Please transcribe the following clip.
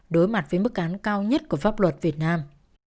đối mặt với mức án cao nhất của pháp luật việt nam